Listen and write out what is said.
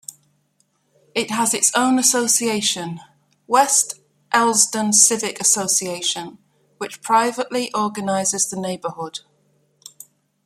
It has its own association, "West Elsdon Civic Association," which privately organizes the neighborhood.